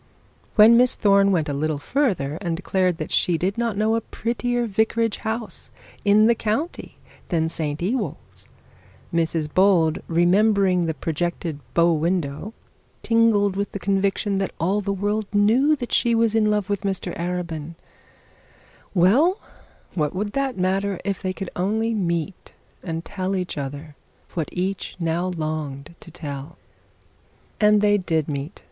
When Miss Thorne went a little further and declared that she did not know a prettier vicarage house in the country than St Ewold's, Mrs Bold remembering the projected bow window and the projected priestess still held her tongue; though her ears tingled with the conviction that all the world would know that she was in love with Mr Arabin. Well; what could that matter if they could only meet and tell each other what each now longed to tell? And they did meet.